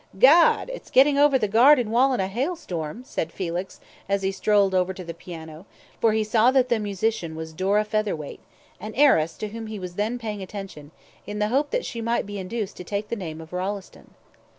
"Gad! it's getting over the garden wall in a hailstorm," said Felix, as he strolled over to the piano, for he saw that the musician was Dora Featherweight, an heiress to whom he was then paying attention, in the hope that she might be induced to take the name of Rolleston.